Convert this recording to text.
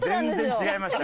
全然違いました。